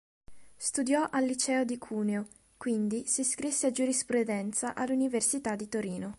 Studiò al liceo di Cuneo, quindi si iscrisse a Giurisprudenza all'università di Torino.